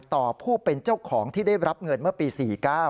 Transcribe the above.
ต่อผู้เป็นเจ้าของที่ได้รับเงินเมื่อปี๔๙